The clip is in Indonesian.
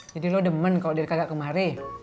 jadi lu demen kok dari kagak kemari